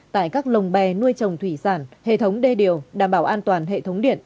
tại các lồng bè nuôi trồng thủy sản hệ thống đê điều đảm bảo an toàn hệ thống điện